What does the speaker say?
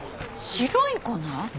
白い粉？